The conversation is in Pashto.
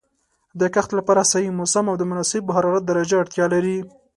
د کښت لپاره صحیح موسم او د مناسب حرارت درجه اړتیا لري.